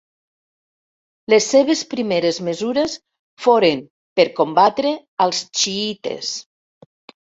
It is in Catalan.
Les seves primeres mesures foren per combatre als xiïtes.